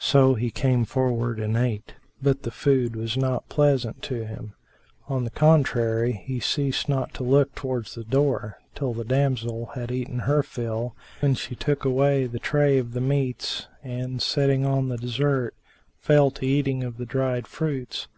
So he came forward and ate; but the food was not pleasant to him; on the contrary he ceased not to look towards the door, till the damsel had eaten her fill, when she took away the tray of the meats and, setting on the dessert, fell to eating of the dried fruits.